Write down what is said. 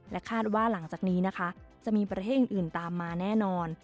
คาดว่าหลังจากนี้นะคะจะมีประเทศอื่นตามมาแน่นอน